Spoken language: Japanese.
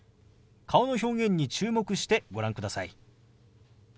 顔の表現に注目してご覧ください。